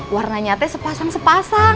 warna nyatanya sepasang sepasang